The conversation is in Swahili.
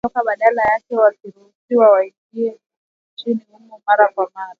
Kuondoka badala yake wakiruhusiwa waingie nchini humo mara kwa mara.